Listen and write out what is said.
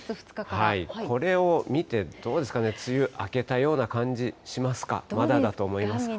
これを見て、どうですかね、梅雨明けたような感じしますか、まだだと思いますか。